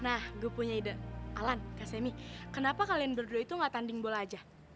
nah gue punya ide alan kak semi kenapa kalian berdua itu gak tanding bola aja